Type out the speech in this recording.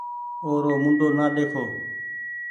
اورو منڍو نآ ۮيکو